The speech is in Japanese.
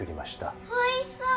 おいしそう！